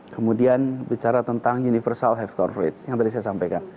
kemudian bicara tentang universal health corporate yang tadi saya sampaikan